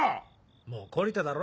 もう懲りただろ？